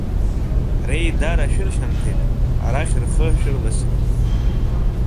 Реидара шәырхьанҭеит, арахь рхы шәырласит!